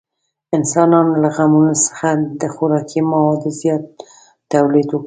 انسانانو له غنمو څخه د خوراکي موادو زیات تولید وکړ.